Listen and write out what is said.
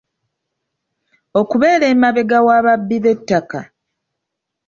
Okubeera emabega w’ababbi b’ettaka.